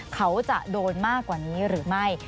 เขาจะโดนมากกว่านี้หรือไม่